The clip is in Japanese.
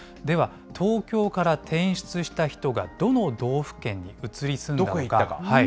では、東京から転出した人が、どの道府県に移り住んだのか。